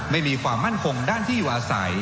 ไม่มีความมั่นคงด้านที่อาศัย